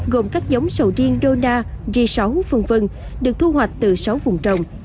gồm các giống sầu riêng dona d sáu v v được thu hoạch từ sáu vùng trồng